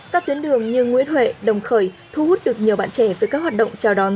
các tuyến đường như nguyễn huệ đồng khởi thu hút được nhiều bạn trẻ với các hoạt động chào đón